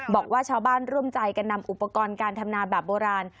บอกว่าชาวบ้านร่วมใจกันนำอุปกรณ์การทำนาแบบโบราณ